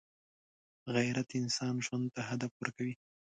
غیرت انسان ژوند ته هدف ورکوي